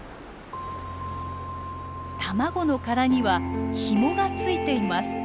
卵の殻にはヒモがついています。